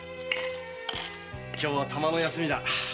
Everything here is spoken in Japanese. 今日はたまの休みだ。